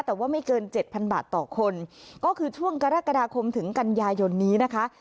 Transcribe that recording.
แต่ว่าไม่เกินเจ็ดพันบาทต่อคนก็คือช่วงกรกฎาคมถึงกันยายนนี้นะคะ